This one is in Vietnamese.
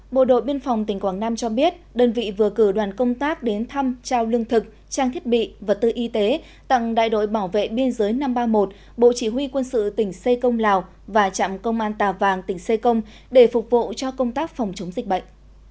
bộ đội biên phòng tỉnh quảng nam cho biết đơn vị vừa cử đoàn công tác đến thăm trao lương thực trang thiết bị vật tư y tế tặng đại đội bảo vệ biên giới năm trăm ba mươi một bộ chỉ huy quân sự tỉnh xê công lào và trạm công an tà vàng tỉnh sê công để phục vụ cho công tác phòng chống dịch bệnh